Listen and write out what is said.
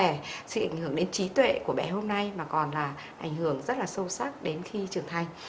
không chỉ ảnh hưởng đến trí tuệ của bé hôm nay mà còn là ảnh hưởng rất là sâu sắc đến khi trưởng thành